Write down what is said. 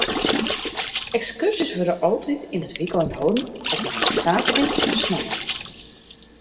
Ekskurzjes wurde altyd yn it wykein holden, op in saterdei of snein.